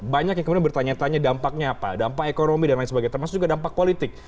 banyak yang kemudian bertanya tanya dampaknya apa dampak ekonomi dan lain sebagainya termasuk juga dampak politik